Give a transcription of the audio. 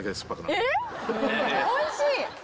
おいしい！